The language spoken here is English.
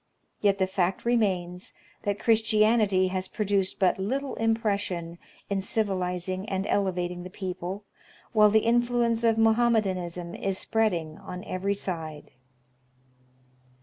Yet the fact remains that Christianity has produced but little impression in civilizing and elevating the people, while the influence of Mohommedanism is spreading on every side.